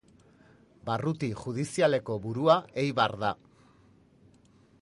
Barruti judizialeko burua Eibar da.